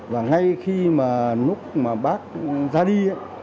và ngay khi mà bác ra đi